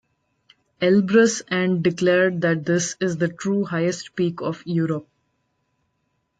Elbrus and declared that this is the true highest peak of Europe.